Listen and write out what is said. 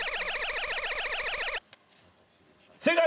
正解！